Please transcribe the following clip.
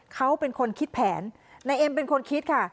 เขาเป็นคนคิดแผนนายเอ็มเป็นคนคิดค่ะ